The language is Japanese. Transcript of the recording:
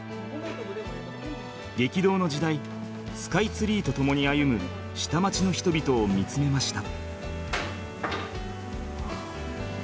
激動の時代スカイツリーと共に歩む下町の人々を見つめました。